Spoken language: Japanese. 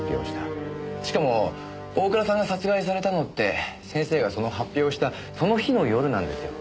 しかも大倉さんが殺害されたのって先生がその発表をしたその日の夜なんですよ。